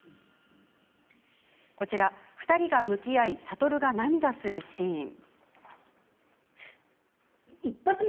こちら、２人が向き合い諭が涙するシーン。